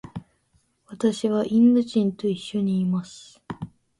私はインド人と一緒にいます。